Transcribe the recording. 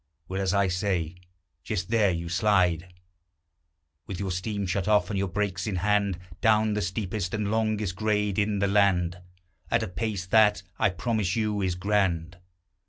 Well, as I say, just there you slide, With your steam shut off and your brakes in hand, Down the steepest and longest grade in the land, At a pace that, I promise you, is grand.